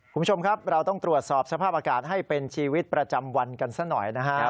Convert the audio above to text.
คุณผู้ชมครับเราต้องตรวจสอบสภาพอากาศให้เป็นชีวิตประจำวันกันซะหน่อยนะครับ